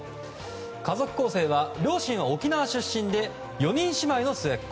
家族構成は両親は沖縄出身で４人姉妹の末っ子。